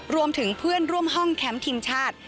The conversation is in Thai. รวมถึงเพื่อนร่วมห้องแคมป์ทีมชาติ